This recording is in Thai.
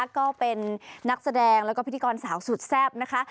ก็เป็นนักแสดงแล้วก็พิธีกรสาวสุดแซ่บนะคะ